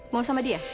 mau sama dia